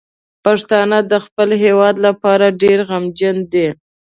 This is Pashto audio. پښتانه د خپل هیواد لپاره ډیر غمجن دي.